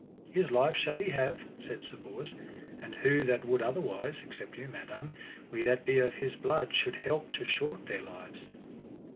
His life shall he have, said Sir Bors, and who that would otherwise, except you, madam, we that be of his blood should help to short their lives.